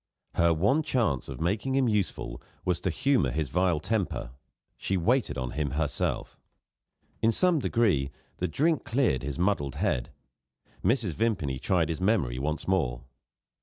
Her one chance of making him useful was to humour his vile temper; she waited on him herself. In some degree, the drink cleared his muddled head. Mrs. Vimpany tried his memory once more.